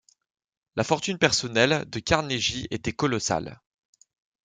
La fortune personnelle de Carnegie était colossale.